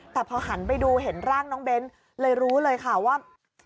แต่พอหันไปดูเห็นร่างน้องเบ้นเลยรู้เลยค่ะว่า